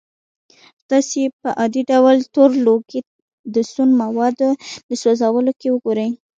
تاسې په عادي ډول تور لوګی د سون موادو د سوځولو کې ګورئ.